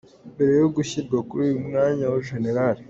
Mbere yo gushyirwa kuri uyu mwanya Gen.